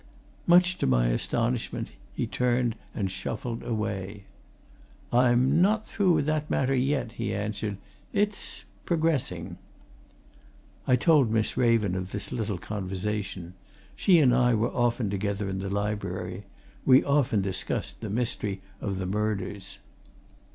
Much to my astonishment, he turned and shuffled away. "I'm not through with that matter, yet," he answered. "It's progressing." I told Miss Raven of this little conversation. She and I were often together in the library; we often discussed the mystery of the murders.